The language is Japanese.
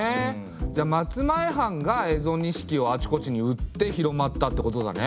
じゃあ松前藩が蝦夷錦をあちこちに売って広まったってことだね。